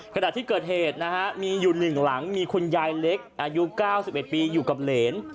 ขณะที่เกิดเหตุนะฮะมีอยู่๑หลังมีคุณยายเล็กอายุ๙๑ปีอยู่กับเหรน